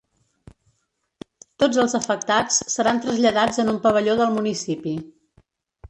Tots els afectats seran traslladats en un pavelló del municipi.